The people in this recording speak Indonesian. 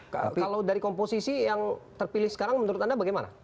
kalau dari komposisi yang terpilih sekarang menurut anda bagaimana